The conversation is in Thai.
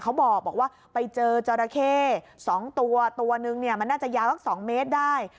เขาบอกว่าไปเจอจราเข้๒ตัวตัวนึงเนี่ยมันน่าจะยาวสัก๒เมตรได้